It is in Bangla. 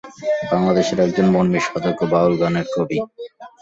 বাংলাদেশের একজন মরমী সাধক ও বাউল গানের কবি।